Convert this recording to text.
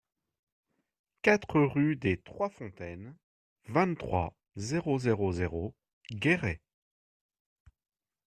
quatre rue des trois Fontaines, vingt-trois, zéro zéro zéro, Guéret